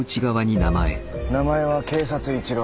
名前は警察一郎。